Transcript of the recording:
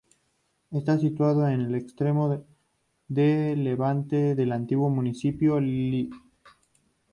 Está situado en el extremo de levante del antiguo municipio de Llesp.